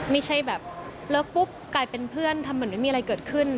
ไม่ใช่แบบเลิกปุ๊บกลายเป็นเพื่อนทำเหมือนไม่มีอะไรเกิดขึ้น